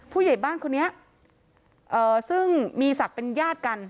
ผู้ใหญ่บ้านคนนี้ซึ่งมีศักดิ์เป็นญาติกัน